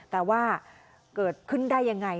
แต่ว่าเกิดขึ้นได้ยังไง